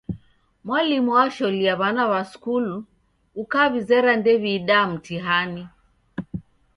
Mwalimu washolia wana wa skulu, ukawizera ndew'iida mtihani.